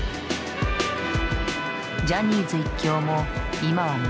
ジャニーズ一強も今は昔。